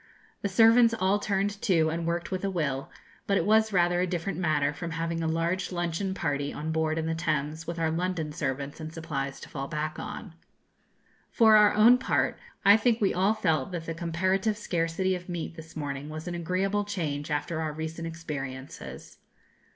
The servants all turned to and worked with a will; but it was rather a different matter from having a large luncheon party on board in the Thames, with our London servants and supplies to fall back upon. For our own part, I think we all felt that the comparative scarcity of meat this morning was an agreeable change, after our recent experiences.